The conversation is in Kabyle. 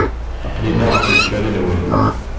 Aql-i da ɣef lǧal-nwen.